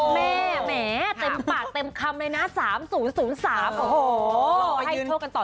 แม่แม่เต็มปากเต็มคำเลยนะ๓๐๐๓โอ้โห